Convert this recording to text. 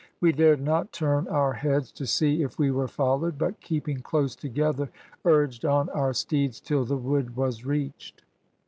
We dared not turn our heads to see if we were followed, but keeping close together urged on our steeds till the wood was reached.